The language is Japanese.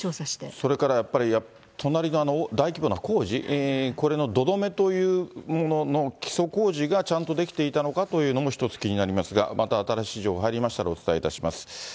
それからやっぱり、隣の大規模な工事、これの土留めというものの基礎工事がちゃんとできていたのかというのも、一つ気になりますが、また新しい情報が入りましたらお伝えいたします。